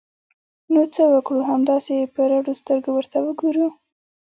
نو څه وکړو؟ همداسې په رډو سترګو ورته وګورو!